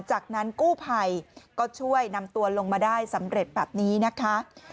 จากนั้นกู้ภัยก็ช่วยนำตัวลงมาได้สำเร็จแบบนี้นะคะ